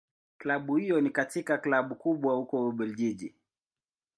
Klabu hiyo ni katika Klabu kubwa huko Ubelgiji.